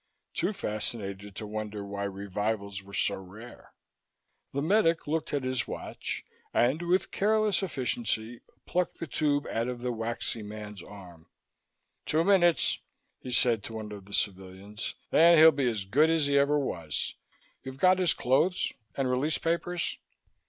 Too fascinated to wonder why revivals were so rare.... The medic looked at his watch and, with careless efficiency, plucked the tube out of the waxy man's arm. "Two minutes," he said to one of the civilians. "Then he'll be as good as he ever was. You've got his clothes and release papers?"